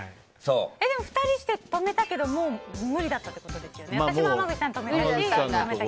でも、２人して止めたけどもう無理だったってことですよね。